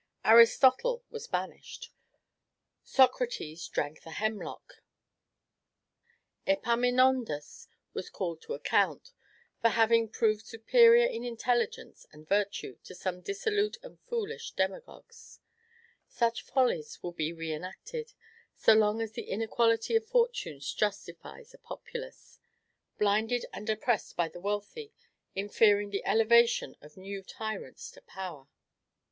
Aristotle was banished, Socrates drank the hemlock, Epaminondas was called to account, for having proved superior in intelligence and virtue to some dissolute and foolish demagogues. Such follies will be re enacted, so long as the inequality of fortunes justifies a populace, blinded and oppressed by the wealthy, in fearing the elevation of new tyrants to power.